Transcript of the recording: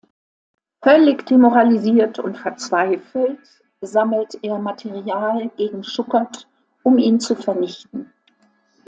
Völlig demoralisiert und verzweifelt sammelt er Material gegen Schuckert, um ihn zu vernichten.